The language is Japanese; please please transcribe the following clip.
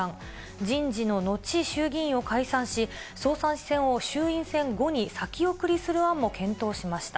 人事の後、衆議院を解散し、総裁選を衆院選後に先送りする案も検討しました。